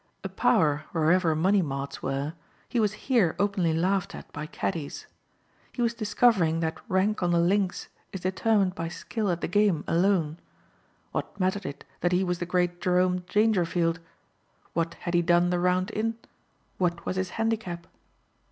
A power wherever money marts were, he was here openly laughed at by caddies. He was discovering that rank on the links is determined by skill at the game alone. What mattered it that he was the great Jerome Dangerfield. What had he done the round in? What was his handicap?